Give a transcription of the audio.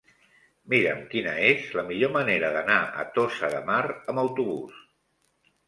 Mira'm quina és la millor manera d'anar a Tossa de Mar amb autobús.